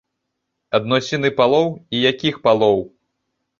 Адносіны палоў, і якіх палоў!